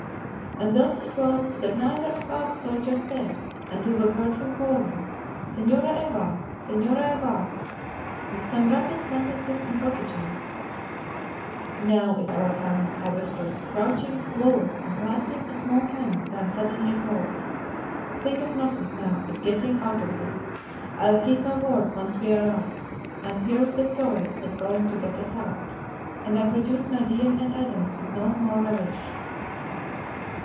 And thus it was that neither of us saw José until we heard him calling, "Senhora Evah! Senhora Evah!" with some rapid sentences in Portuguese. "Now is our time," I whispered, crouching lower and clasping a small hand gone suddenly cold. "Think of nothing now but getting out of this. I'll keep my word once we are out; and here's the toy that's going to get us out." And I produced my Deane and Adams with no small relish.